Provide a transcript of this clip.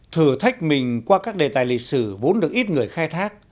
thử thách mình qua các đề tài lịch sử vốn được ít người khai thác